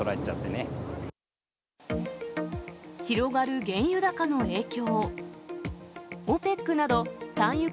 広がる原油高の影響。